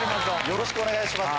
よろしくお願いします。